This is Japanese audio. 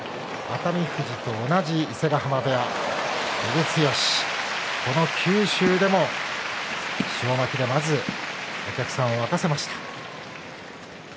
熱海富士と同じ伊勢ヶ濱部屋の照強、この九州でも塩まきでまず、お客さんを沸かせました。